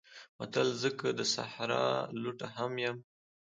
متل: زه که د صحرا لوټه هم یم